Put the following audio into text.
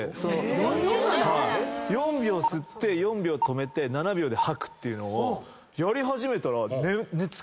４・４・７⁉４秒吸って４秒止めて７秒で吐くっていうのをやり始めたら。